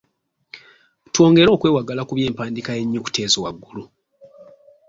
Twongere okwewagala ku by'empandiika y'ennyukuta ezo waggulu.